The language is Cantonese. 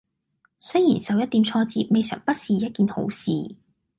雖然受一點挫折未嘗不是一件好事！